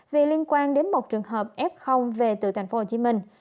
vì liên quan đến một trường hợp f về từ thành phố hồ chí minh